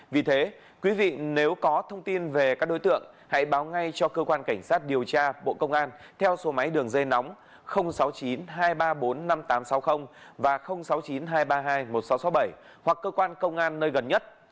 vì thế quý vị nếu có thông tin về các đối tượng hãy báo ngay cho cơ quan cảnh sát điều tra bộ công an theo số máy đường dây nóng sáu mươi chín hai trăm ba mươi bốn năm nghìn tám trăm sáu mươi và sáu mươi chín hai trăm ba mươi hai một nghìn sáu trăm sáu mươi bảy hoặc cơ quan công an nơi gần nhất